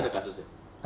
tapi memang ada kasusnya